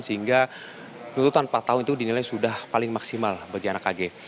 sehingga tuntutan empat tahun itu dinilai sudah paling maksimal bagi anak ag